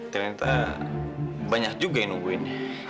dan kita banyak juga yang nungguin